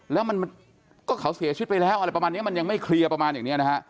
แล้วมันก็เขาเสียชีวิตไปแล้วอะไรประมาณนี้มันยังไม่เคลียร์ประมาณอย่างนี้นะฮะ